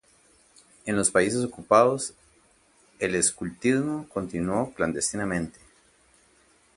En los países ocupados, el escultismo continuó clandestinamente.